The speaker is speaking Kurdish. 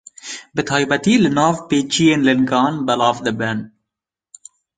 Bi taybetî li nav pêçiyên lingan belav dibin.